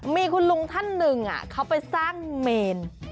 มีคุณลุงท่านหนึ่งเขาไปสร้างเมน